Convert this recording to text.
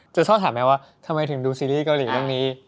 จะชอบถามแม่ว่าทำไมถึงดูซีรีส์เกาหลีเรื่องนี้